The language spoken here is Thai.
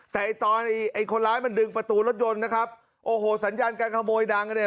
แต่ตอนไอ้คนร้ายมันดึงประตูรถยนต์นะครับโอ้โหสัญญาการขโมยดังเนี่ย